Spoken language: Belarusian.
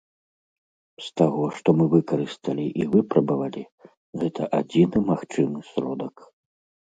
З таго, што мы выкарысталі і выпрабавалі, гэта адзіны магчымы сродак.